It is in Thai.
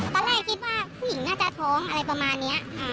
ตอนแรกคิดว่าผู้หญิงน่าจะท้องอะไรประมาณนี้